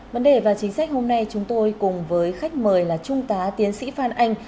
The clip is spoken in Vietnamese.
vấn đề và chính sách hôm nay chúng tôi cùng với khách mời là trung tá tiến sĩ phan anh